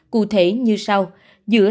cụ thể như sau